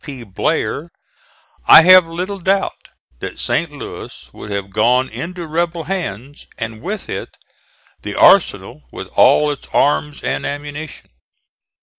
P. Blair, I have little doubt that St. Louis would have gone into rebel hands, and with it the arsenal with all its arms and ammunition.